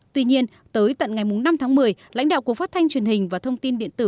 tuy nhiên tới tận ngày năm tháng một mươi lãnh đạo cuộc phát thanh truyền hình và thông tin điện tử